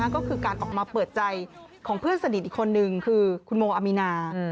ก็คือการออกมาเปิดใจของเพื่อนสนิทอีกคนนึงคือคุณโมอามีนา